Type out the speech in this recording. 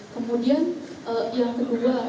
kemudian yang kedua